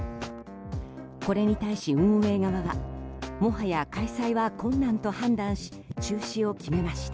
これに対し、運営側はもはや開催は困難と判断し中止を決めました。